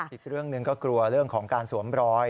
อีกเรื่องหนึ่งก็กลัวเรื่องของการสวมรอย